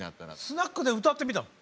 スナックで歌ってみたの？